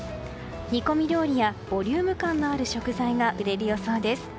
煮込み料理やボリューム感のある食材が売れる予想です。